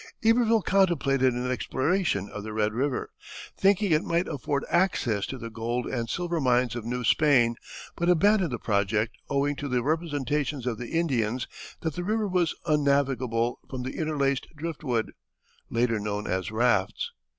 Iberville contemplated an exploration of the Red River, thinking it might afford access to the gold and silver mines of New Spain, but abandoned the project owing to the representations of the Indians that the river was unnavigable from the interlaced drift wood, later known as rafts.